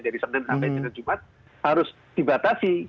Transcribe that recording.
jadi senin sampai jumat harus dibatasi